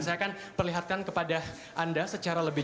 saya akan perlihatkan kepada anda secara lebih